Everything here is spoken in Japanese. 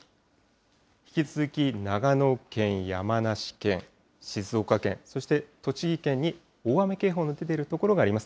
引き続き長野県、山梨県、静岡県、そして栃木県に大雨警報の出ている所があります。